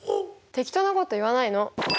適当なこと言わないの。